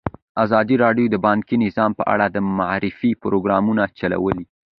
ازادي راډیو د بانکي نظام په اړه د معارفې پروګرامونه چلولي.